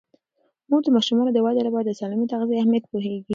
مور د ماشومانو د ودې لپاره د سالمې تغذیې اهمیت پوهیږي.